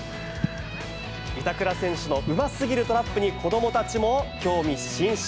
板倉選手のうますぎるトラップに、子どもたちも興味津々。